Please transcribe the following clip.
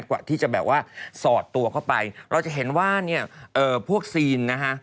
กว่าที่จะแบบว่าสอดตัวเข้าไปเราจะเห็นว่าเนี่ยเอ่อพวกซีนนะฮะ